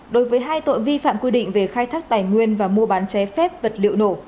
đối với hai tội vi phạm quy định về khai thác tài nguyên và mua bán chế phép vật liệu nổ